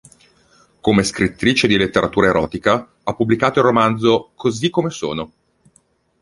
Come scrittrice di letteratura erotica, ha pubblicato il romanzo "Così come sono".